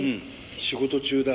仕事中だ。